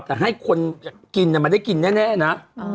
แต่ให้คนกินไม่ได้กินแน่นะ